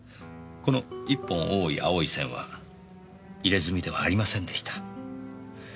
この１本多い青い線は入れ墨ではありませんでした。